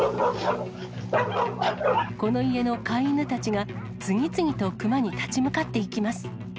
この家の飼い犬たちが、次々と熊に立ち向かっていきます。